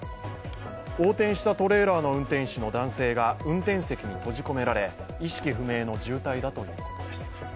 横転したトレーラーの運転手の男性が運転席に閉じ込められ意識不明の重体だということです。